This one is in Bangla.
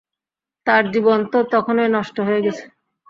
তার জীবন তো তখনই নষ্ট হয়ে গেছে।